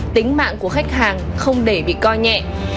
tính mạng của khách hàng không để bị co nhẹ